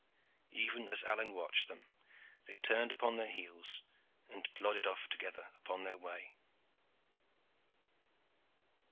Even as Alleyne watched them they turned upon their heels and plodded off together upon their way.